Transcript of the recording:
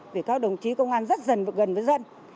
vì các đồng chí công an rất dần gần với dân